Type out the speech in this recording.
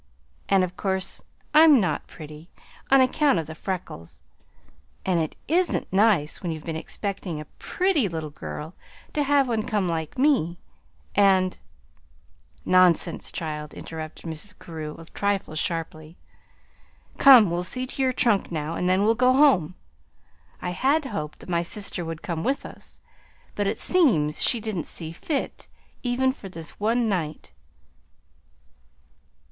And of course I'm not pretty, on account of the freckles, and it ISN'T nice when you've been expecting a PRETTY little girl, to have one come like me; and " "Nonsense, child!" interrupted Mrs. Carew, a trifle sharply. "Come, we'll see to your trunk now, then we'll go home. I had hoped that my sister would come with us; but it seems she didn't see fit even for this one night."